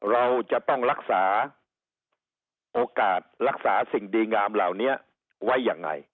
เราจะต้องรักษาโอกาสรักษาสิ่งดีงามเหล่านี้ไว้ยังไง